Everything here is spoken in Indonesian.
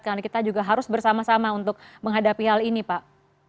karena kita juga harus bersama sama untuk menghadapi hal ini pak